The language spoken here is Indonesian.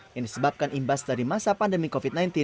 yang disebabkan imbas dari masa pandemi covid sembilan belas